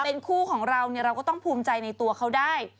เป็นคู่ของเราเราก็ต้องภูมิใจในตัวเขาได้